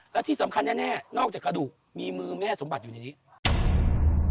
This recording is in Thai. และที่สำคัญแน่นอกจากกระดูกมีมือแม่สมบัติอยู่ในนี้